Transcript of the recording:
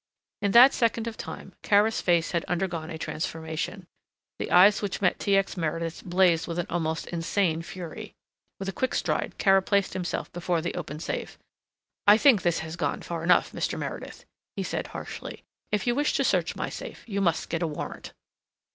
In that second of time Kara's face had undergone a transformation. The eyes which met T. X. Meredith's blazed with an almost insane fury. With a quick stride Kara placed himself before the open safe. "I think this has gone far enough, Mr. Meredith," he said harshly. "If you wish to search my safe you must get a warrant."